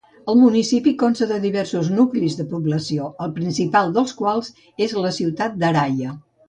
El municipi consta de diversos nuclis de població, el principal dels quals és la ciutat d'Araia.